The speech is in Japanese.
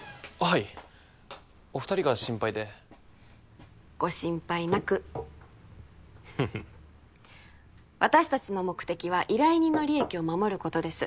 はいお二人が心配でご心配なくフフフ私達の目的は依頼人の利益を守ることです